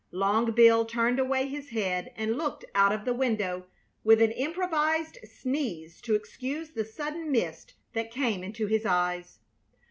Long Bill turned away his head and looked out of the window with an improvised sneeze to excuse the sudden mist that came into his eyes.